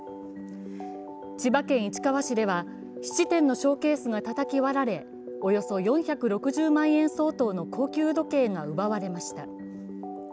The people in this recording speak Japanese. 千葉県市川市では質店のショーケースがたたき割られおよそ４６０万円相当の高級時計が奪われました。